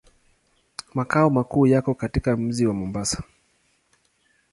Makao makuu yako katika mji wa Mombasa.